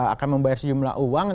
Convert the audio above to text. akan membayar sejumlah uang